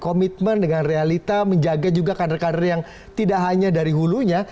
komitmen dengan realita menjaga juga kader kader yang tidak hanya dari hulunya